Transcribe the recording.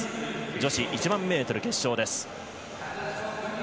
女子１００００ｍ決勝です。